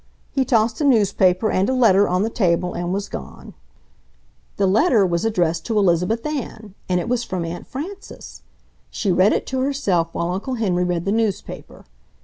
He tossed a newspaper and a letter on the table and was gone. The letter was addressed to Elizabeth Ann and it was from Aunt Frances. She read it to herself while Uncle Henry read the newspaper.